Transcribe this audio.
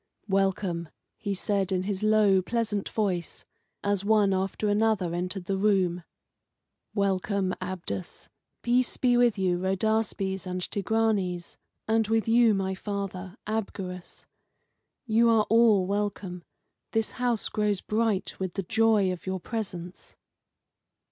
"Welcome!" he said, in his low, pleasant voice, as one after another entered the room "welcome, Abdus; peace be with you, Rhodaspes and Tigranes, and with you my father, Abgarus. You are all welcome. This house grows bright with the joy of your presence."